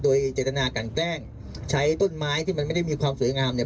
จากการแปลกนะครับด้วยเจตนาก่อนแจ้งใช้ต้นไม้ที่มันไม่ได้มีความเสื้องามเนี่ย